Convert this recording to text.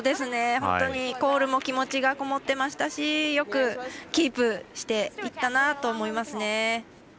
本当にコールも気持ちがこもってましたしよくキープしていったなと思いますね。